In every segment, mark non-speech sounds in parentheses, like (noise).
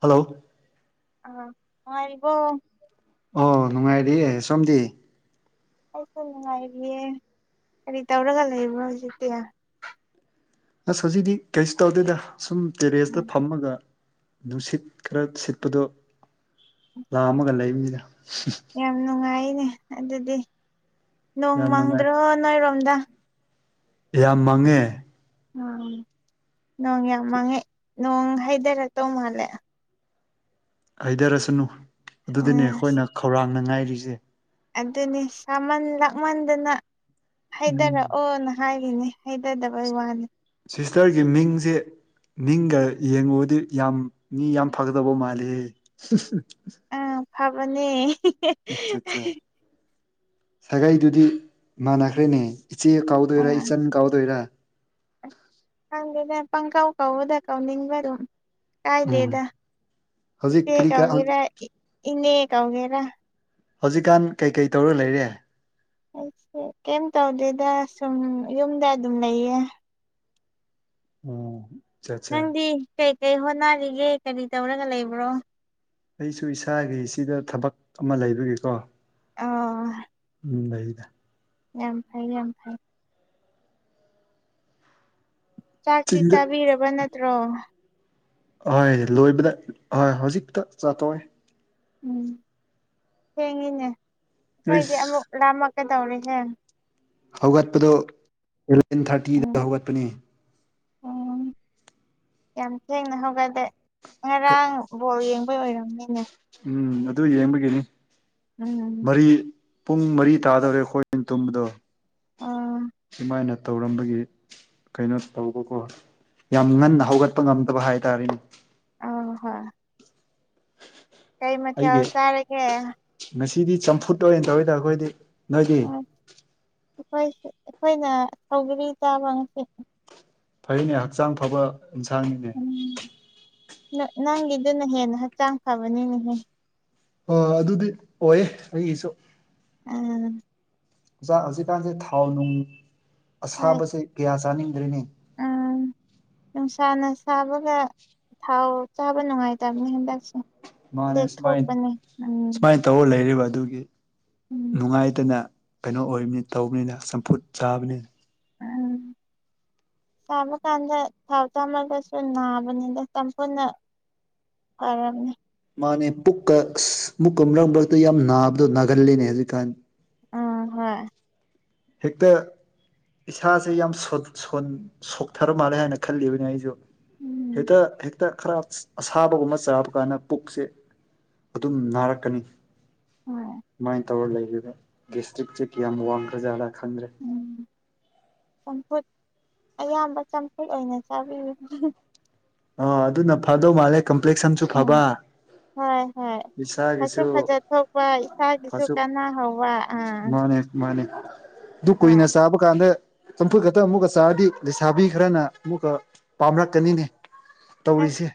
hello ꯑ ꯅꯨꯉꯥꯏꯔꯤꯕꯣ ꯑꯣ ꯅꯨꯡꯉꯥꯏꯔꯤ ꯁꯣꯝꯗꯤ ꯑꯩꯁꯨ ꯅꯨꯡꯉꯥꯏꯔꯤꯌꯦ ꯀꯔꯤ ꯇꯧꯔꯒ ꯂꯩꯕꯅꯣ ꯍꯧꯖꯤꯛꯇꯤ ꯑꯁ ꯍꯧꯖꯤꯛꯗꯤ ꯀꯩꯁꯨ ꯇꯧꯗꯦꯗ ꯁꯨꯝ ꯇꯦꯔꯦꯁꯇ ꯐꯝꯃꯒ ꯅꯨꯡꯁꯤꯠ ꯈꯔ ꯁꯤꯠꯄꯗꯣ ꯂꯥꯝꯃꯒ ꯂꯩꯕꯅꯤꯅ ꯌꯥꯝ ꯅꯨꯡꯉꯥꯏꯌꯦꯅꯦ ꯑꯗꯨꯗꯤ ꯅꯣꯡ ꯌꯥꯝ ꯅꯨꯡꯉꯥꯏ ꯃꯪꯗ꯭ꯔꯣ ꯅꯣꯏꯔꯣꯝ ꯀꯗ ꯌꯥꯝ ꯃꯥꯡꯉꯦ ꯎ ꯅꯣꯡ ꯌꯥꯝ ꯃꯥꯡꯉꯦ ꯅꯣꯡ ꯍꯥꯏꯩꯊꯔꯛꯇꯧ ꯃꯥꯜꯂꯦ ꯍꯩꯊꯔꯁꯅꯨ ꯑꯗꯨꯗꯤꯅꯦ ꯎꯝ ꯑꯩꯈꯣꯏꯅ ꯈꯧꯔꯥꯡꯅ ꯉꯥꯏꯔꯤꯁꯦ ꯑꯗꯨꯅꯦ ꯁꯥꯃꯟ ꯂꯥꯛꯃꯟꯗꯅ ꯎꯝ ꯍꯥꯏꯊꯔꯛꯑꯣꯅ ꯍꯥꯏꯔꯤꯅꯦ ꯍꯩꯇꯗꯕꯒꯤ ꯋꯥꯅꯤ ꯁꯤꯁꯇꯔꯒꯤ ꯃꯤꯡꯁꯦ ꯅꯤꯡꯒ ꯌꯦꯡꯉꯨꯕꯗꯤ ꯌꯥꯝ ꯃꯤ ꯌꯥꯝ ꯐꯒꯗꯕ ꯃꯥꯜꯂꯤ ꯑꯥ ꯐꯕꯅꯦ ꯑꯠꯆꯥ ꯑꯠꯆꯥ ꯁꯒꯥꯏꯗꯨꯗꯤ ꯃꯥꯟꯅꯈ꯭ꯔꯦꯅꯦ ꯏꯆꯦ ꯀꯥꯎꯗꯣꯏꯔꯥ ꯑꯥ ꯏꯆꯟ ꯀꯥꯎꯗꯣꯏꯔꯥ ꯍꯅꯦ ꯄꯪꯀꯥꯎ ꯀꯥꯎꯕꯗ ꯀꯥꯎꯅꯤꯡꯉꯥꯔꯣꯏ ꯀꯥꯏ ꯎꯝ ꯗꯦꯗꯥ ꯍꯧꯖꯤꯛ ꯏꯆꯦ ꯀꯔꯤ ꯀꯎꯒꯦꯔ ꯏꯅꯦ ꯀꯎꯒꯦꯔ ꯍꯧꯖꯤꯛꯀꯥꯟ ꯀꯩꯀꯩ ꯇꯧꯔ ꯂꯩꯔꯦ ꯑꯩꯁꯦ ꯀꯩꯝ ꯇꯧꯗꯦꯗ ꯁꯨꯝ ꯌꯨꯝꯗ ꯑꯗꯨꯝ ꯂꯩꯌꯦ ꯑꯣ ꯑꯠꯆꯥ ꯑꯠꯆꯥ ꯅꯪꯗꯤ ꯀꯩꯀꯩ ꯍꯣꯠꯅꯔꯤꯒꯦ ꯀꯔꯤ ꯇꯧꯔꯒ ꯂꯩꯕ꯭ꯔꯣ ꯑꯩꯁꯨ ꯏꯁꯥꯒꯤ ꯁꯤꯗ ꯊꯕꯛ ꯑꯃ ꯂꯩꯕꯒꯤꯀꯣ ꯑꯣ ꯎꯝ ꯂꯩꯗ ꯌꯥꯝ ꯐꯩ ꯌꯥꯝ ꯐꯩ ꯆꯥꯛꯇꯤ ꯆꯤꯡꯗ ꯆꯥꯕꯤꯔꯕ ꯅꯠꯇ꯭ꯔꯣ ꯑꯣꯏ ꯂꯣꯏꯕꯗ ꯑꯣꯏ ꯍꯧꯖꯤꯛꯇ ꯆꯥꯠꯇꯣꯛꯑꯦ ꯎꯝ ꯊꯦꯡꯉꯤꯅꯦ ꯑꯩꯈꯣꯏꯗꯤ ꯑꯃꯨꯛ ꯂꯥꯝꯃꯀ ꯇꯧꯔꯦ ꯍꯦ ꯍꯧꯒꯠꯄꯗꯨ ꯑꯦꯂꯕꯦꯟ ꯎꯝ ꯊꯥꯔꯇꯤꯗ ꯍꯧꯒꯠꯄꯅꯤ ꯎꯝ ꯌꯥꯝ ꯊꯦꯡꯅ ꯍꯧꯒꯠꯂꯦ ꯉꯔꯥꯡ ꯕꯣꯜ ꯌꯦꯡꯕꯩ ꯑꯣꯏꯔꯝꯅꯤꯅꯦ ꯎꯝ ꯑꯗꯨ ꯌꯦꯡꯕꯒꯤꯅꯤ ꯎꯝ ꯃꯔꯤ ꯄꯨꯡ ꯃꯔꯤ ꯇꯥꯗꯧꯔꯦ ꯑꯩꯈꯣꯏꯅ ꯇꯨꯝꯕꯗꯣ ꯑꯣ ꯁꯨꯃꯥꯏꯅ ꯇꯧꯔꯝꯕꯒꯤ ꯀꯩꯅꯣ ꯇꯧꯕꯀꯣ ꯌꯥꯝ ꯉꯟꯅ ꯍꯧꯒꯠꯄ ꯉꯝꯗꯕ ꯍꯥꯏ ꯇꯔꯦ ꯑꯡ ꯍꯣꯏ ꯀꯩ ꯃꯊꯦꯜ ꯆꯔꯥꯒꯦ ꯁꯤꯗꯤ ꯆꯝꯐꯨꯠ ꯑꯣꯏꯅ ꯇꯧꯏꯗ ꯑꯩꯈꯣꯏꯗꯤ ꯅꯣꯏꯗꯤ ꯑꯩꯈꯣꯏ ꯑꯩꯈꯣꯏꯅ ꯁꯧꯒꯔꯤ ꯆꯥꯕ ꯉꯁꯦ ꯐꯩꯅꯦ ꯍꯛꯆꯥꯡ ꯐꯕ ꯏꯟꯁꯥꯡꯅꯤꯅꯦ ꯎꯝ ꯅꯪꯒꯤꯗꯨꯅ ꯍꯦꯟꯅ ꯍꯛꯆꯥꯡ ꯐꯕꯅꯤꯅꯦꯍꯦ ꯑ ꯑꯗꯨꯗꯤ ꯑꯣꯏꯌꯦ ꯑꯩꯒꯤꯁꯨ ꯑꯥ ꯑꯣꯖꯥ ꯍꯧꯖꯤꯛꯀꯥꯟꯁꯦ ꯊꯥꯎ ꯅꯨꯡ ꯍꯣꯏ ꯑꯁꯥꯕꯁꯦ ꯀꯌꯥ ꯆꯥꯅꯤꯡꯗ꯭ꯔꯦꯅꯤ ꯁꯥꯥꯅ ꯁꯥꯕꯒ ꯊꯥꯎ ꯆꯥꯕ ꯅꯨꯡꯉꯥꯏꯇꯕꯅꯤ ꯍꯟꯗꯛꯁꯦ ꯃꯥꯅꯦ ꯁꯨꯃꯥꯏꯅ ꯂꯦꯛꯊꯣꯛꯄꯅꯦ ꯎꯝ ꯁꯨꯃꯥꯏꯅ ꯇꯧ ꯂꯩꯔꯤꯕ ꯑꯗꯨꯒꯤ ꯎꯝ ꯅꯨꯡꯉꯥꯏꯇꯅ ꯀꯩꯅꯣ ꯑꯣꯏꯕꯅꯤ ꯇꯧꯕꯅꯤꯅ ꯆꯝꯐꯨꯠ ꯆꯥꯕꯅꯦ (inaudible) ꯆꯥꯕ ꯀꯥꯟꯗ ꯊꯥꯎ ꯊꯥꯝꯃꯒꯁꯨ ꯅꯥꯕꯅꯤꯅ ꯃꯇꯝ ꯄꯨꯟꯅ ꯑꯔꯝ ꯃꯥꯅꯦ ꯄꯨꯛꯀ ꯃꯨꯛꯀ ꯃꯔꯛ ꯃꯔꯛꯇ ꯌꯥꯝ ꯅꯥꯕꯗꯣ ꯅꯥꯒꯜꯂꯤꯅꯦ ꯍꯧꯖꯤꯛꯀꯥꯟ ꯑ ꯍꯣꯏ ꯍꯦꯛꯇ ꯏꯁꯥꯁꯦ ꯌꯥꯝ ꯁꯣꯛꯊꯔ ꯃꯥꯜꯂꯦ ꯍꯥꯏꯅ ꯈꯜꯂꯤꯕꯅꯦ ꯑꯩꯁꯨ ꯎꯝ ꯍꯦꯠꯇꯥ ꯍꯦꯛꯇ ꯈꯔ ꯑꯁꯥꯕꯒꯨꯝꯕ ꯆꯥꯕ ꯀꯥꯟꯗ ꯄꯨꯛꯁꯦ ꯑꯗꯨꯝ ꯅꯥꯔꯛꯀꯅꯤ ꯍꯣꯏ ꯁꯃꯥꯏꯅ ꯇꯧꯔ ꯂꯩꯔꯤꯗ ꯒꯦꯁꯇ꯭ꯔꯤꯛꯁꯦ ꯀꯌꯥꯝ ꯋꯥꯡꯈ꯭ꯔꯥꯖꯥꯠꯂꯥ ꯈꯪꯗ꯭ꯔꯦ ꯎꯝ ꯆꯝꯐꯨꯠ ꯑꯌꯥꯝꯕ ꯆꯝꯐꯨꯠ ꯑꯣꯏꯅ ꯆꯥꯕꯤꯌꯨ ꯑ ꯑꯗꯨꯅ ꯐꯗꯧ ꯃꯥꯜꯂꯦ ꯀꯝꯄ꯭ꯂꯦꯛꯁꯁꯨ ꯎꯝ ꯐꯕ ꯍꯣꯏ ꯍꯣꯏ ꯐꯁꯨ ꯏꯁꯥꯒꯤꯁꯨ ꯐꯖꯠ ꯊꯣꯛꯄ ꯏꯁꯥꯒꯤꯁꯨ ꯐꯁꯨ ꯀꯥꯟꯅꯍꯧꯕ ꯑꯥ ꯃꯥꯅꯦ ꯃꯥꯅꯦ ꯑꯗꯨ ꯀꯨꯏꯅ ꯍꯣꯏ ꯆꯥꯕ ꯀꯥꯟꯗ ꯆꯝꯐꯨꯠ ꯈꯛꯇ ꯑꯃꯨꯛꯀ ꯆꯥꯔꯗꯤ ꯂꯩꯁꯥꯕꯤ ꯈꯔꯅ ꯑꯃꯨꯛꯀ ꯄꯥꯝꯔꯛꯀꯅꯤꯅꯦ ꯇꯧꯔꯤꯁꯦ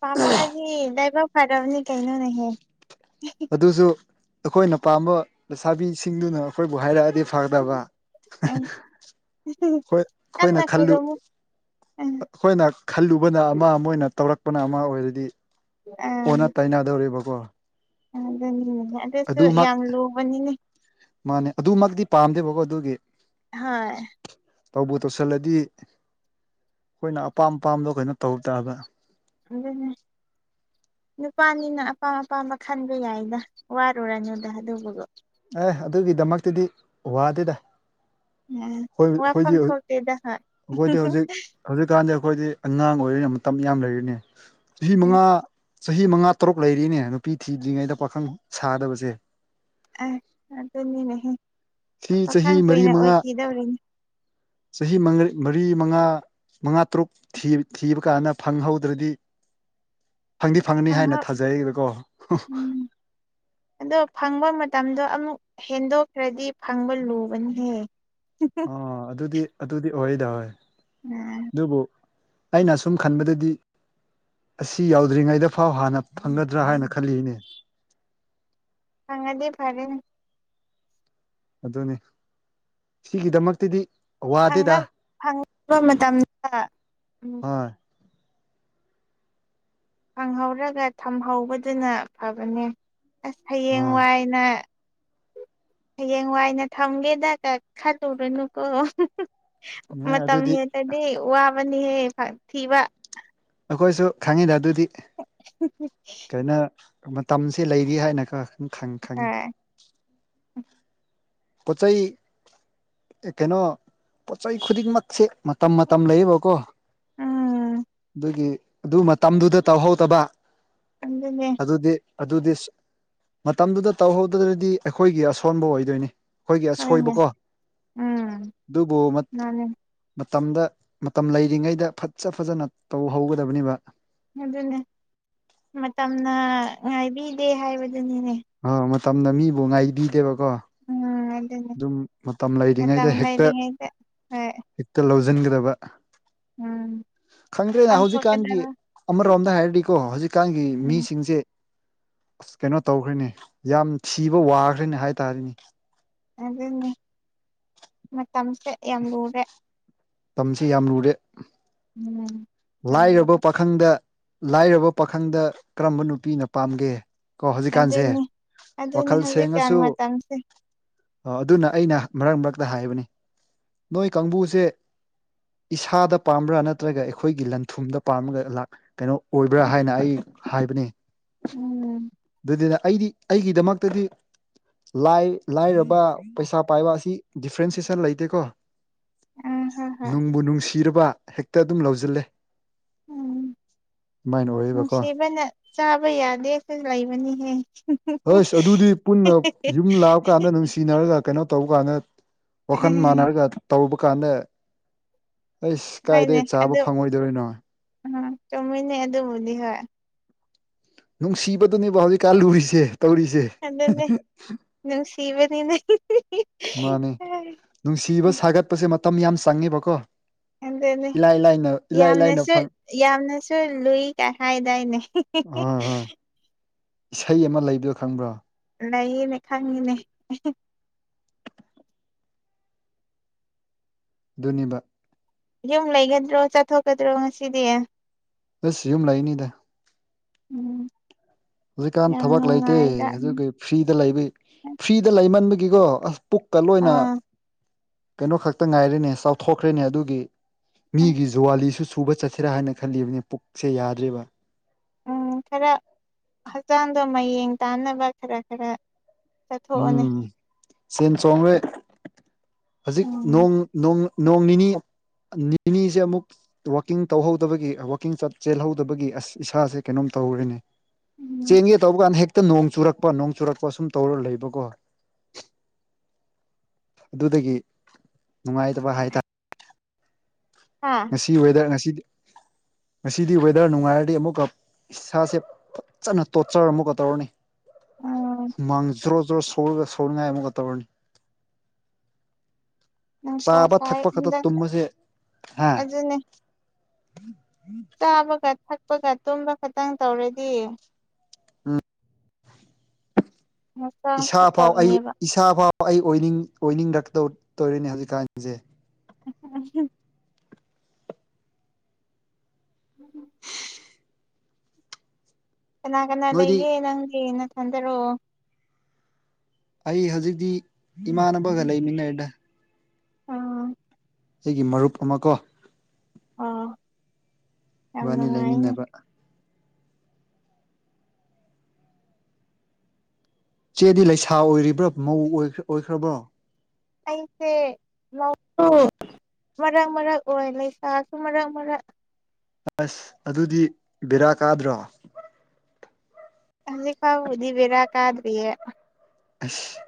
ꯄꯥꯝꯃꯛꯑꯗꯤ ꯂꯥꯏꯕꯛ ꯐꯔꯕꯅꯤ ꯀꯩꯅꯣꯅꯦꯍꯦ ꯑꯗꯨꯁꯨ ꯑꯩꯈꯣꯏꯅ ꯄꯥꯝꯕ ꯂꯩꯁꯥꯕꯤꯁꯤꯡꯗꯨꯅ ꯑꯩꯈꯣꯏꯕꯨ ꯍꯥꯏꯔꯛꯑꯗꯤ ꯐꯗꯕ ꯣꯏ ꯑꯩꯈꯣꯏꯅ ꯀꯟꯅ ꯈꯂꯨ ꯈꯣꯏꯔꯝꯃꯨ ꯑꯥ ꯑꯩꯈꯣꯏꯅ ꯈꯜꯂꯨꯕꯅ ꯑꯃ ꯑꯃꯅ ꯇꯧꯔꯛꯄꯅ ꯑꯃ ꯑꯣꯏꯔꯗꯤ ꯑꯣꯟꯅ ꯇꯥꯏꯅꯗꯧꯕꯀꯣ ꯅꯤ ꯑꯗꯨꯁꯨ ꯌꯥꯝ ꯂꯨꯕꯅꯤꯅꯦ ꯃꯥꯅꯦ ꯑꯗꯨꯃꯛꯇꯤ ꯄꯥꯝꯗꯦꯕꯀꯣ ꯑꯗꯨꯒꯤ ꯍꯣꯏ ꯇꯧꯕꯨ ꯇꯧꯁꯤꯜꯂꯗꯤ ꯑꯩꯈꯣꯏꯅ ꯑꯄꯥꯝ ꯑꯄꯥꯝꯕꯗꯣ ꯀꯩꯅꯣ ꯇꯧ ꯇꯥꯕ ꯑꯗꯨꯅꯦ ꯅꯨꯄꯥꯅꯤꯅ ꯑꯄꯥꯝ ꯑꯄꯥꯝꯕ ꯈꯟꯕ ꯌꯥꯏꯗ ꯋꯥꯔꯨꯔꯅꯨꯗ ꯑꯗꯨꯕꯨꯗꯣ ꯑꯦ ꯑꯗꯨꯒꯤꯗꯃꯛꯇꯗꯤ ꯋꯥꯗꯦꯗ ꯑꯥ ꯣꯏ ꯋꯥꯐꯝ ꯑꯩꯈꯣꯏꯗꯤ ꯊꯣꯛꯇꯦꯗ ꯍꯣꯏ ꯑꯩꯈꯣꯏꯗꯤ ꯍꯧꯖꯤꯛ ꯍꯧꯖꯤꯛꯀꯥꯟꯗꯤ ꯑꯩꯈꯣꯏꯗꯤ ꯑꯉꯥꯡ ꯑꯣꯏꯔꯤꯅ ꯃꯇꯝ ꯌꯥꯝ ꯂꯩꯔꯤꯅꯤ ꯆꯍꯤ ꯃꯉꯥ ꯆꯍꯤ ꯃꯉꯥ ꯇꯔꯨꯛ ꯂꯩꯔꯤꯅꯦ ꯅꯨꯄꯤ ꯊꯤꯗ꯭ꯔꯤꯉꯩꯗ ꯄꯥꯈꯪ ꯁꯥꯗꯕꯁꯦ ꯑ ꯑꯗꯨꯅꯤꯅꯦꯍ ꯁꯤ ꯆꯍꯤ ꯄꯥꯈꯪ ꯃꯔꯤ ꯀꯨꯏꯅ ꯃꯉꯥ ꯑꯣꯏꯈꯤꯗꯧꯔꯤꯅꯦ ꯆꯍꯤ ꯃꯔꯤ ꯃꯉꯥ ꯃꯉꯥ ꯇꯔꯨꯛ ꯊꯤꯕ ꯀꯥꯟꯗ ꯐꯪꯍꯧꯗ꯭ꯔꯗꯤ (unintelligible) ꯐꯪꯗꯤ ꯐꯪꯅꯤ ꯍꯥꯏꯅ ꯐꯪꯍꯧ ꯊꯥꯖꯩꯕꯀꯣ ꯎꯝ ꯑꯗꯣ ꯐꯪꯕ ꯃꯇꯝꯗꯣ ꯑꯃꯨꯛ ꯍꯦꯟꯗꯣꯛꯈ꯭ꯔꯗꯤ ꯐꯪꯕ ꯂꯨꯕꯅꯤꯍꯦ ꯑꯥ ꯑꯗꯨꯗꯤ ꯑꯗꯨꯗꯤ ꯑꯣꯏꯗꯥꯑꯣꯏ ꯎꯝ ꯑꯩꯅ ꯑꯁꯨꯝ ꯈꯟꯕꯗꯗꯤ ꯑꯁꯤ ꯌꯥꯎꯗ꯭ꯔꯤꯉꯩꯗ ꯐꯥꯎ ꯍꯥꯟꯅ ꯐꯪꯒꯗ꯭ꯔꯥ ꯍꯥꯏꯅ ꯈꯜꯂꯤꯅꯦ ꯑꯉꯗꯤꯦ ꯐꯔꯦꯅꯤ ꯑꯗꯨꯅꯦ ꯁꯤꯒꯤꯗꯃꯛꯇꯗꯤ ꯋꯥꯗꯦꯗ ꯐꯪꯕ ꯃꯇꯝꯗ ꯎꯝ ꯑ ꯐꯪꯍꯧꯔꯒ ꯊꯝꯍꯧꯕꯗꯨꯅ ꯐꯕꯅꯦ ꯑꯁ ꯍꯌꯦꯡ ꯑꯥ ꯋꯥꯏꯅ ꯍꯌꯦꯡ ꯋꯥꯏꯅ ꯊꯝꯒꯦꯗꯒ ꯈꯜꯂꯨꯔꯨꯅꯨꯀꯣ ꯅꯦ ꯃꯇꯝ ꯑꯗꯨꯗꯤ ꯍꯦꯛꯇꯗꯤ ꯋꯥꯕꯅꯤꯍꯦ ꯊꯤꯕ ꯑꯩꯈꯣꯏꯁꯨ ꯈꯪꯉꯤꯗ ꯑꯗꯨꯗꯤ ꯀꯩꯅꯣ (unintelligible) ꯃꯇꯝꯁꯦ ꯂꯩꯔꯤ ꯍꯥꯏꯅꯒ ꯈꯪꯉꯤ ꯍꯣꯏ ꯄꯣꯆꯩ ꯑꯦ ꯀꯩꯅꯣ ꯄꯣꯠꯆꯩ ꯈꯨꯗꯤꯡꯃꯛꯁꯦ ꯃꯇꯝ ꯃꯇꯝ ꯂꯩꯌꯦꯕꯀꯣ ꯎꯝ ꯑꯩꯈꯣꯏꯒꯤ ꯑꯗꯨ ꯃꯇꯝꯗꯨꯗ ꯇꯧꯍꯧꯗꯕ ꯑꯗꯨꯗꯅꯦ ꯑꯗꯨꯗꯤ ꯑꯗꯨꯗꯤ ꯃꯇꯝꯗꯨꯗ ꯇꯧꯍꯧꯗ꯭ꯔꯗꯤ ꯑꯩꯈꯣꯏꯒꯤ ꯑꯁꯣꯟꯕ ꯑꯣꯏꯗꯣꯏꯅꯤ ꯑꯩꯈꯣꯏꯒꯤ ꯍꯣꯏꯅꯦ ꯑꯁꯣꯏꯕꯀꯣ ꯎꯝ ꯑꯗꯨꯕꯨ ꯃꯥꯅꯦ ꯃꯇꯝꯗ ꯃꯇꯝ ꯂꯩꯔꯤꯉꯩꯗ ꯐꯖ ꯐꯖꯅ ꯇꯧꯍꯧꯒꯗꯕꯅꯤꯕ ꯑꯗꯨꯅꯦ ꯃꯇꯝꯅ ꯉꯥꯏꯕꯤꯗꯦ ꯍꯥꯏꯕꯗꯨꯅꯤꯅꯦ ꯃꯇꯝꯝꯅ ꯃꯤꯕꯨ ꯉꯥꯏꯕꯤꯗꯦꯕꯀꯣ ꯎꯝ ꯑꯗꯨꯅꯦ ꯑꯗꯨꯝ ꯃꯇꯝ ꯃꯇꯝ ꯂꯩꯔꯤꯉꯩꯗ ꯍꯦꯛꯇ ꯂꯩꯔꯤꯉꯩꯗ ꯍꯣꯏ ꯍꯦꯛꯇ ꯂꯧꯁꯤꯟꯒꯗꯕ ꯎꯝ (inaudible) ꯈꯪꯗ꯭ꯔꯦꯅꯦ ꯍꯧꯖꯤꯛꯀꯥꯟꯒꯤ ꯄꯥꯡꯊꯣꯛꯀꯗꯕ ꯑꯃꯔꯣꯝꯗ ꯍꯥꯏꯔꯗꯤꯀꯣ ꯍꯧꯖꯤꯛꯀꯥꯟꯒꯤ ꯎꯝ ꯃꯤꯁꯤꯡꯁꯦ ꯑꯁ ꯀꯩꯅꯣ ꯇꯧꯈ꯭ꯔꯦꯅꯦ ꯌꯥꯝ ꯊꯤꯕ ꯋꯥꯈ꯭ꯔꯦꯅꯦ ꯍꯥꯏ ꯇꯔꯦꯅꯦ ꯑꯗꯨꯅꯦ ꯃꯇꯝꯁꯦ ꯌꯥꯝ ꯂꯨꯔꯦ ꯇꯝꯁꯤ ꯌꯥꯝ ꯂꯨꯔꯦ ꯎꯝ ꯌꯥꯝ ꯂꯥꯏꯔꯕ ꯄꯥꯈꯪꯗ ꯂꯥꯏꯔꯕ ꯄꯥꯈꯪꯗ ꯀꯔꯝꯕ ꯅꯨꯄꯤꯅ ꯄꯥꯝꯒꯦ ꯀꯣ ꯍꯧꯖꯤꯛꯀꯥꯟꯁꯦ ꯑꯗꯨꯅꯤ ꯑꯗꯨꯅꯤ ꯋꯥꯈꯜ ꯍꯧꯖꯤꯛꯀꯥꯟ ꯁꯦꯡꯉꯁꯨ ꯃꯇꯝꯁꯦ ꯑꯗꯨꯅ ꯑꯩꯅ ꯃꯔꯛ ꯃꯔꯛꯇ ꯍꯥꯏꯕꯅꯤ ꯅꯣꯏ ꯀꯥꯡꯕꯨꯁꯦ ꯏꯁꯥꯗ ꯄꯥꯝꯕ꯭ꯔꯥ ꯅꯠꯇ꯭ꯔꯒ ꯑꯩꯈꯣꯏꯒꯤ ꯂꯟ ꯊꯨꯝꯗ ꯄꯥꯝꯃꯒ ꯀꯩꯅꯣ ꯑꯣꯏꯕ꯭ꯔꯥ ꯍꯥꯏꯅ ꯑꯩ ꯍꯥꯏꯕꯅꯤ ꯎꯝ ꯑꯗꯨꯗꯨꯅ ꯑꯩꯗꯤ ꯑꯩꯒꯤꯗꯃꯛꯇꯗꯤ ꯂꯥꯏꯔꯕ ꯄꯩꯁꯥ ꯄꯥꯏꯕ ꯑꯁꯤ ꯗꯤꯐ꯭ꯔꯦꯟꯁꯤꯦꯁꯟ ꯂꯩꯇꯦꯀꯣ ꯑ ꯍꯣꯏ ꯍꯣꯏ ꯅꯨꯡꯕꯨ ꯅꯨꯡꯁꯤꯔꯕ ꯍꯦꯛꯇ ꯑꯗꯨꯝ ꯂꯧꯁꯤꯜꯂꯦ ꯎꯝ ꯑꯗꯨꯃꯥꯏꯅ ꯑꯣꯏꯌꯦꯕꯀꯣ ꯅꯨꯡꯁꯤꯕꯅ ꯆꯥꯕ ꯌꯥꯗꯦ ꯀꯁꯨ ꯂꯩꯕꯅꯤꯍꯦ ꯍꯣꯏꯁ ꯑꯗꯨꯗꯤ ꯄꯨꯟꯅ ꯌꯨꯝ ꯂꯥꯛꯑ ꯀꯥꯟꯗ ꯅꯨꯡꯁꯤꯅꯔꯒ ꯀꯩꯅꯣ ꯇꯧꯕ ꯀꯥꯟꯗ ꯋꯥꯈꯜ ꯃꯥꯟꯅꯔꯒ ꯇꯧꯔꯨꯕ ꯀꯥꯟꯗ ꯑꯩꯁ ꯀꯥꯏꯗꯒꯤꯩ ꯆꯥꯕ ꯐꯪꯉꯣꯏꯗꯣꯔꯤꯅꯣ ꯎꯝ ꯆꯨꯝꯃꯤꯟꯅ ꯑꯗꯨꯕꯨꯗꯤ ꯍꯣꯏ ꯅꯨꯡ ꯁꯤꯕꯗꯨꯅꯦꯕ ꯍꯧꯖꯤꯛ ꯀꯥꯂꯨꯔꯤꯁꯦ ꯇꯧꯔꯤꯁꯦ ꯇꯤꯕꯅꯤꯅꯦ ꯃꯥꯅꯦ ꯅꯨꯡꯁꯤꯕ ꯁꯥꯒꯠꯄꯁꯦ ꯃꯇꯝ ꯌꯥꯝ ꯆꯪꯉꯦꯕꯀꯣ ꯑꯦꯗꯑꯅꯤ ꯏꯂꯥꯏ ꯂꯥꯏꯅ ꯏꯂꯥꯏ ꯂꯥꯏꯅ ꯌꯥꯝꯅꯁꯨ ꯐꯪ ꯌꯥꯝꯅꯁꯨ ꯂꯨꯏ ꯀꯥꯏ ꯍꯥꯏꯗꯥꯏꯅꯦ ꯍꯣꯏ ꯍꯣꯏ ꯏꯁꯩ ꯑꯃ ꯂꯩꯕꯗꯣ ꯈꯪꯕ꯭ꯔꯣ ꯂꯩꯌꯦꯅꯦ ꯈꯪꯉꯤꯅꯦ ꯑꯗꯨꯅꯤꯕ ꯌꯨꯝ ꯂꯩꯒꯗ꯭ꯔꯣ ꯆꯠꯊꯣꯛꯀꯗ꯭ꯔꯣ ꯉꯁꯤꯗꯤ ꯑꯁ ꯌꯨꯝ ꯂꯥꯏꯅꯤꯗ ꯎꯝ ꯍꯧꯖꯤꯛꯀꯥꯟ ꯌꯥꯝ ꯊꯕꯛ ꯂꯩꯇꯦ ꯅꯨꯡꯉꯥꯏꯗ ꯍꯧꯖꯤꯛ ꯐ꯭ꯔꯤꯗ ꯂꯩ ꯐ꯭ꯔꯤꯗ ꯂꯩꯃꯟꯕꯒꯤꯀꯣ ꯑꯁ ꯄꯨꯛꯀ ꯂꯣꯏꯅ ꯑꯥ ꯀꯩꯅꯣ ꯈꯛꯇ ꯉꯥꯏꯔꯦꯅꯦ ꯆꯥꯎꯊꯣꯛꯈ꯭ꯔꯦꯅꯦ ꯑꯗꯨꯒꯤ ꯃꯤꯒꯤ ꯑꯁ ꯖꯨꯋꯥꯂꯤꯁꯨ ꯁꯨꯕ ꯆꯠꯁꯤꯔꯥ ꯍꯥꯏꯅ ꯈꯜꯂꯤꯕꯅꯤ ꯄꯨꯛꯁꯦ ꯌꯥꯗ꯭ꯦꯔꯤꯕ ꯎꯝ ꯈꯔ ꯍꯛꯆꯥꯡꯗꯣ ꯃꯌꯦꯡ ꯇꯥꯅꯕ ꯈꯔ ꯈꯔ ꯆꯠꯊꯣꯛꯑꯣꯅꯦ ꯎꯝ ꯁꯦꯟ ꯆꯣꯡꯡꯂꯔꯦ ꯍꯧꯖꯤꯛ ꯎꯝ ꯅꯣꯡ ꯅꯤꯅꯤ ꯅꯤꯅꯤꯁꯦ ꯑꯃꯨꯛ ꯋꯥꯋꯥꯛꯀꯤꯡ ꯇꯧꯍꯧꯗꯕꯒꯤ ꯋꯥꯋꯥꯛꯀꯤꯡ ꯆꯦꯜꯍꯧꯗꯕꯒꯤ ꯑꯁ ꯏꯁꯥꯁꯦ ꯀꯩꯅꯣꯝ ꯇꯧꯔꯤꯅꯦ ꯆꯦꯟꯒꯦ ꯇꯧꯕ ꯀꯥꯟꯗ ꯍꯦꯛꯇ ꯅꯣꯡ ꯆꯨꯔꯛꯄ ꯅꯣꯡ ꯆꯨꯔꯛꯄ ꯁꯨꯝ ꯇꯧꯔ ꯂꯩꯕ ꯀꯣ ꯑꯗꯨꯗꯒꯤ ꯅꯨꯡꯉꯥꯏꯇꯕ ꯍꯥꯏꯇꯥꯔꯦ ꯍꯥ ꯉꯁꯤ ꯋꯦꯗꯔ ꯉꯁꯤꯗꯤ ꯉꯁꯤꯗꯤ ꯋꯦꯗꯔ ꯅꯨꯡꯉꯥꯏꯔꯗꯤ ꯑꯃꯨꯛꯀ ꯏꯁꯥꯁꯦ ꯐꯖꯅ ꯇꯣꯔꯆꯔ ꯑꯃꯨꯛꯀ ꯇꯧꯔꯅꯤ ꯎꯝ ꯃꯥꯡꯖ꯭ꯔꯣꯖ꯭ꯔꯣ ꯁꯒ ꯁꯣ ꯉ ꯑꯃꯨ ꯀꯠꯇꯕꯨꯔꯅꯤ ꯅꯨꯡꯁꯥ ꯆꯥꯕ ꯁꯥꯏ ꯊꯛꯄ ꯈꯛꯇ ꯍꯟꯗꯛꯇ ꯇꯨꯝꯕꯁꯦ ꯍꯥ ꯑꯗꯨꯅꯦ ꯆꯥꯕꯒ ꯊꯛ ꯀꯨꯞꯄꯒ ꯇꯨꯝꯕ ꯈꯇꯪ ꯇꯧꯔꯗꯤ ꯑꯥ ꯍꯛꯆꯥꯡ ꯏꯁꯥ ꯐꯥꯎ ꯑꯩ ꯐꯠꯇꯕꯅꯦꯕ ꯏꯁꯥ ꯐꯥꯎ ꯑꯩ ꯑꯣꯏꯅꯤꯡ ꯑꯣꯏꯅꯤꯡꯔꯛꯀꯧ ꯇꯧꯔꯦꯅꯦ ꯍꯧꯖꯤꯛꯀꯥꯟꯁꯦ ꯎ ꯀꯅꯥ ꯀꯅꯥ ꯅꯣꯏꯗꯤ ꯂꯩꯒꯦ ꯅꯪꯒꯤꯅ ꯈꯟꯖꯔꯛꯑꯣ ꯑꯩ ꯍꯧꯖꯤꯛꯇꯤ ꯏꯃꯥꯟꯅꯕꯒ ꯂꯩꯃꯤꯟꯅꯩꯗ ꯑꯥ ꯑꯩꯒꯤ ꯃꯔꯨꯞ ꯑꯃ ꯀꯣ ꯑ ꯋꯥꯅꯤ ꯂꯩꯃꯤꯟꯅꯕ ꯆꯦꯗꯤ ꯂꯩꯁꯥ ꯑꯣꯏꯔꯤꯕ꯭ꯔꯣ ꯃꯧ ꯑꯣꯏꯈ꯭ꯔꯕ꯭ꯔꯣ ꯀꯁꯦ ꯂ ꯇ ꯃꯔꯥꯡ ꯃꯔꯥꯡ ꯑꯣꯏ ꯂꯩꯁꯥꯁꯨ ꯃꯔꯛ ꯃꯔꯛ ꯑꯁ ꯑꯗꯨꯗꯤ ꯕꯦꯔꯥ ꯀꯥꯗ꯭ꯔꯣ ꯑ ꯐꯕꯨꯗꯤꯕꯤꯔ ꯀꯗ꯭ꯔꯤꯌꯦ ꯑꯁ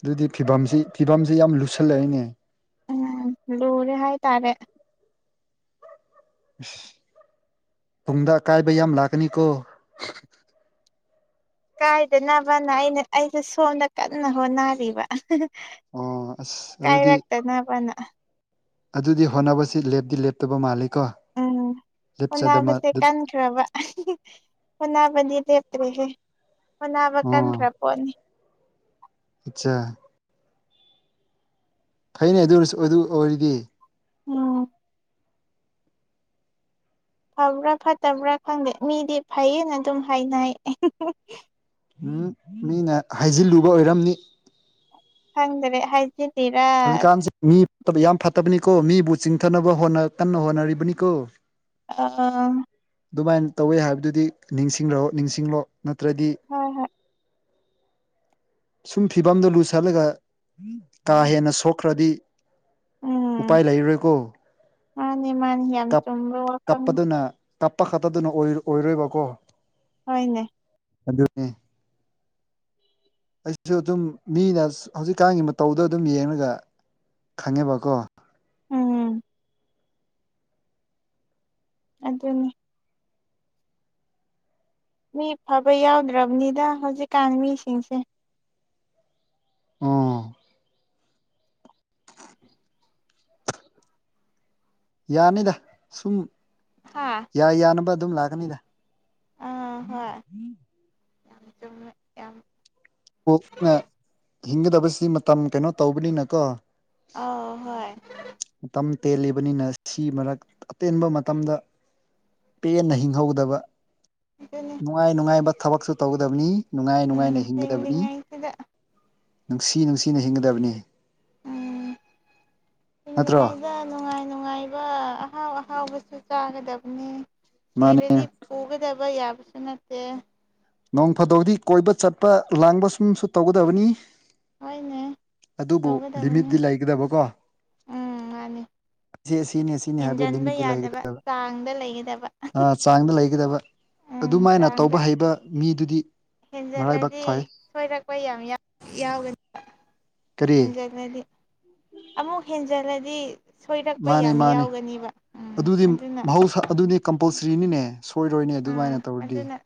ꯑꯗꯨꯗꯤ ꯐꯤꯕꯝꯁꯤ ꯐꯤꯕꯝꯁꯤ ꯌꯥꯝ ꯂꯨꯁꯜꯂꯛꯏꯅꯦ ꯎꯝ ꯂꯣꯔꯤꯦ ꯍꯥꯏꯥꯏ ꯇꯔꯦ ꯇꯨꯡꯗ ꯑꯀꯥꯏꯕ ꯌꯥꯝ ꯂꯥꯛꯀꯅꯤꯀꯣ ꯀꯥꯏꯗꯅꯕꯅ ꯑꯩꯅ ꯑꯩꯁ ꯁꯣꯝꯗ ꯀꯟꯅ ꯍꯣꯠꯅꯔꯤꯕ ꯑꯣ ꯑꯁ ꯀꯥꯏ ꯑꯗꯨꯗꯤ ꯔꯒꯇ ꯅ ꯄꯅꯥ ꯑꯗꯨꯗꯤ ꯍꯣꯠꯅꯕꯁꯤ ꯂꯦꯞꯇꯤ ꯂꯦꯞꯇꯕ ꯃꯥꯜꯂꯤ ꯎꯝ ꯑꯣꯅꯥꯕꯁꯦ ꯀꯟꯈ꯭ꯔꯕ ꯁꯅꯥꯕꯗꯤ ꯇꯔꯤꯁꯦ ꯐꯅꯕ ꯀꯥꯟꯈ꯭ꯔꯄꯅꯤ ꯑꯆꯥꯆꯥ ꯐꯩꯅꯦ ꯑꯗꯨꯔꯁꯨ ꯑꯗꯨ ꯑꯣꯏꯔꯗꯤ ꯎꯝ ꯐꯕ꯭ꯔꯥ ꯐꯠꯇꯕ꯭ꯔꯥ ꯈꯪꯗꯦ ꯃꯤꯗꯤ ꯐꯩꯌꯦꯅ ꯑꯗꯨꯝ ꯍꯥꯏꯅ ꯎꯝ ꯃꯤꯅ ꯍꯥꯏꯩꯖꯤꯜꯂꯨꯕ ꯑꯣꯏꯔꯝꯅꯤ ꯈꯪꯗ꯭ꯔꯦ ꯍꯥꯏꯖꯤ ꯍꯧꯖꯤꯛꯀꯥꯟꯁꯤ ꯃꯤ ꯐ ꯌꯥꯝ ꯐꯠꯇꯕꯅꯤ ꯀꯣ ꯃꯤꯕꯨ ꯆꯤꯡꯊꯅꯕ ꯍꯣꯠꯅ ꯀꯟꯅ ꯍꯣꯠꯅꯔꯤꯕꯅꯤꯀꯣ ꯑꯥ ꯑꯗꯨꯃꯥꯏꯅ ꯇꯧꯋꯦ ꯍꯥꯏꯕꯗꯨꯗꯤ ꯅꯤꯡꯁꯤꯡꯂꯣ ꯅꯤꯡꯁꯤꯡꯂꯣ ꯅꯠꯇ꯭ꯔꯗꯤ ꯍꯣꯏ ꯍꯣꯏ ꯁꯨꯝ ꯐꯤꯕꯝꯗꯣ ꯂꯨꯁꯜꯂꯒ ꯀꯥ ꯍꯦꯟꯅ ꯁꯣꯛꯈ꯭ꯔꯗꯤ ꯎꯄꯥꯥꯏ ꯂꯩꯔꯀ ꯑꯅꯤ ꯃꯥꯅꯤ ꯌꯥꯝ ꯆ꯭ꯔꯣ ꯋꯥꯔ ꯀ ꯇꯞꯄ ꯈꯛꯇꯗꯅ ꯑꯣꯏꯔꯣꯏꯕꯀꯣ ꯍꯅꯦ ꯑꯗꯨꯅꯦ ꯑꯩꯁꯨ ꯑꯗꯨꯝ ꯃꯤꯅ ꯍꯧꯖꯤꯛꯀꯥꯟꯒꯤ ꯃꯇꯧꯗ ꯑꯗꯨꯝ ꯌꯦꯡꯉꯒ ꯈꯪꯉꯦꯕꯀꯣ ꯎꯝ ꯑꯗꯨꯅꯤ ꯃꯤ ꯐꯕ ꯌꯥꯎꯗ꯭ꯔꯕꯅꯤꯗ ꯍꯧꯖꯤꯛꯀꯥꯟ ꯃꯤꯁꯤꯡꯁꯦ ꯎꯝ ꯌꯥꯅꯤꯗ ꯁꯨꯝ ꯍꯥꯥ ꯌꯥꯏ ꯌꯥꯅꯕ ꯑꯗꯨꯝ ꯂꯥꯛꯀꯅꯤꯗ ꯑꯥ ꯎꯝ ꯍꯣꯏ ꯎꯝ ꯌꯥꯝ ꯆꯨꯝ ꯌꯥꯝ ꯀꯅ ꯍꯤꯡꯒꯗꯕꯁꯤ ꯃꯇꯝ ꯀꯩꯅꯣ ꯇꯧꯕꯅꯤꯅꯀꯣ ꯑ ꯍꯣꯏ ꯃꯇꯝ ꯇꯦꯜꯂꯤꯕꯅꯤꯅ ꯁꯤ ꯃꯔꯛ ꯑꯇꯦꯟꯕ ꯃꯇꯝꯗ ꯄꯦꯟꯅ ꯍꯤꯡꯍꯧꯗꯕ ꯑꯗꯨꯅꯤ ꯅꯨꯡꯉꯥꯏ ꯅꯨꯡꯉꯥꯏꯕ ꯊꯕꯛꯁꯨ ꯇꯧꯒꯗꯕꯅꯤ ꯅꯨꯡꯉꯥꯏ ꯎꯝ ꯅꯨꯡꯉꯥꯏꯅ ꯍꯤꯡꯒꯗꯕꯅꯤ ꯍꯤꯡꯂꯤꯉꯩꯁꯤꯗ ꯅꯨꯡꯁꯤ ꯅꯨꯡꯁꯤꯅ ꯍꯤꯡꯒꯗꯕꯅꯤ ꯎꯝ ꯅꯠꯇ꯭ꯔꯣ ꯍꯤꯡꯂꯤꯉꯩꯗ ꯅꯨꯡꯉꯥꯏ ꯅꯨꯡꯉꯥꯏꯕ ꯑꯍꯥꯎ ꯑꯍꯥꯎꯕꯁꯨ ꯆꯥꯒꯗꯕꯅꯤ ꯃꯥꯅꯦ ꯁꯤꯔꯗꯤ ꯄꯨꯒꯗꯕ ꯌꯥꯕꯁꯨ ꯅꯠꯇꯦ ꯅꯣꯡ ꯐꯥꯗꯧꯗꯤ ꯀꯣꯏꯕ ꯆꯠꯄ ꯂꯥꯡꯕ ꯁꯨꯝꯁꯨ ꯇꯧꯒꯗꯕꯅꯤ ꯍꯣꯏꯅꯦ ꯑꯗꯨꯕꯨ ꯇꯧꯒꯗꯕꯅꯤ ꯂꯤꯃꯤꯠꯇꯤ ꯂꯩꯒꯗꯕꯀꯣ ꯎꯝ ꯃꯥꯅꯤ ꯑꯁꯤꯅꯤ ꯁꯤꯅꯤ ꯍꯥꯏꯕꯗ ꯍꯦꯟꯖꯟꯕ ꯂꯤꯃꯤꯠꯇ ꯌꯥꯗꯕ ꯂꯩꯒꯗꯕ ꯆꯥꯡꯗ ꯂꯩꯒꯗꯕ ꯑ ꯆꯥꯡꯗ ꯂꯩꯒꯗꯕ ꯎꯝ ꯑꯗꯨꯃꯥꯏꯅ ꯆꯥꯡꯗ ꯇꯧꯕ ꯍꯩꯕ ꯃꯤꯗꯨꯗꯤ ꯃꯔꯥꯏꯕꯛ ꯍꯦꯟꯖꯜꯂꯗꯤ ꯐꯩ ꯁꯣꯏꯔꯛꯄ ꯌꯥꯝ ꯌꯥꯎꯒꯅꯤ ꯀꯔꯤ ꯍꯦꯟꯖꯤꯜꯂꯗꯤ ꯑꯃꯨꯛ ꯍꯦꯟꯖꯤꯜꯂꯗꯤ ꯃꯥꯅꯦ ꯃꯥꯅꯤ ꯎꯝ ꯑꯗꯨꯗꯤ ꯑꯗꯨꯅ ꯃꯍꯧꯁꯥ ꯑꯗꯨꯗꯤ ꯀꯝꯄꯜꯁꯔꯤꯅꯤꯅꯦ ꯁꯣꯏꯔꯣꯏꯅꯦ ꯑꯥ ꯑꯗꯨꯃꯥꯏꯅ ꯇꯧꯔꯗꯤ ꯑꯗꯨꯅ